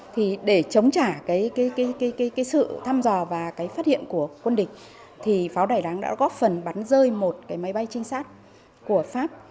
thì để chống trả cái sự thăm dò và cái phát hiện của quân địch thì pháo đài đắng đã góp phần bắn rơi một cái máy bay trinh sát của pháp